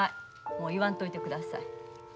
もう言わんといてください。